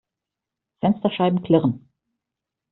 Fensterscheiben klirren.